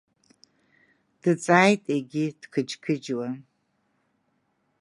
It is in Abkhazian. Дҵааит егьи дқыџьқыџьуа.